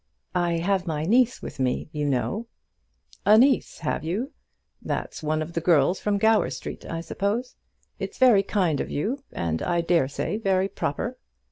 "I have my niece with me, you know." "A niece, have you? That's one of the girls from Gower Street, I suppose? It's very kind of you, and I dare say, very proper."